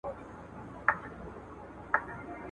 چي آسانه پر دې ښځي سي دردونه ,